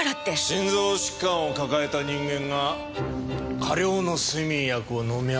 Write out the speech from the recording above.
心臓疾患を抱えた人間が過量の睡眠薬を飲みゃ